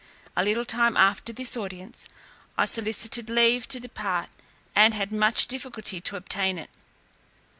A little time after this audience, I solicited leave to depart, and had much difficulty to obtain it.